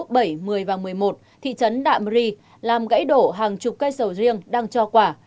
trong lúc bảy một mươi và một mươi một thị trấn đạ brì làm gãy đổ hàng chục cây sầu riêng đang cho quả